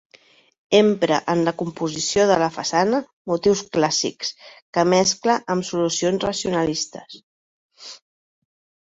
Empra en la composició de la façana motius clàssics, que mescla amb solucions racionalistes.